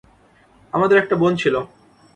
আমাদের একটা বোন ছিল।